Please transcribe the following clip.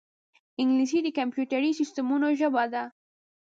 انګلیسي د کمپیوټري سیستمونو ژبه ده